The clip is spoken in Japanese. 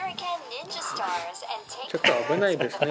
ちょっと危ないですね。